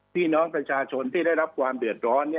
พี่น้องประชาชนที่ได้รับความเดือดร้อน